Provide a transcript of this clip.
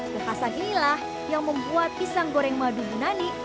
kekasa ginilah yang membuat pisang goreng madu yunani